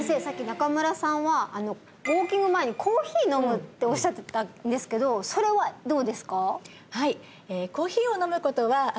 さっき中村さんは「ウォーキング前にコーヒー飲む」っておっしゃってたんですけどそれはどうですか？